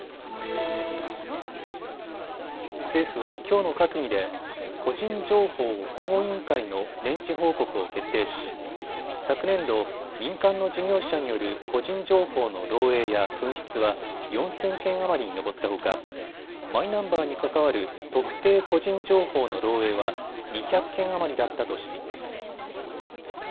政府はきょうの閣議で個人情報保護委員会の年次報告を決定し昨年度、民間の事業者による個人情報の漏えいや紛失は４０００件余りに上ったほかマイナンバーに関わる特定個人情報の漏えいは２００件余りだったとしています。